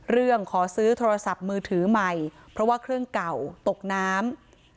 เรื่องขอซื้อโทรศัพท์มือถือใหม่เพราะว่าเครื่องเก่าตกน้ำ